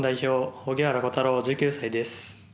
荻原虎太郎、１９歳です。